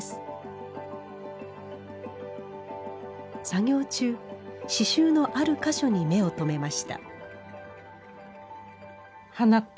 作業中刺繍のある箇所に目を留めました